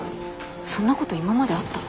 そんなこと今まであった？